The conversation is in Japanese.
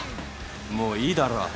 もういいだろ。